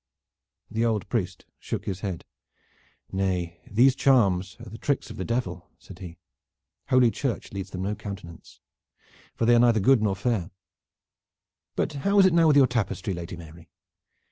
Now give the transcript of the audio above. The old priest shook his head. "Nay, these charms are tricks of the Devil," said he. "Holy Church lends them no countenance, for they are neither good nor fair. But how is it now with your tapestry, Lady Mary?